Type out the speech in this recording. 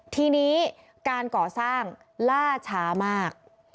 ทีนี้การก่อสร้างล่าช้ามาก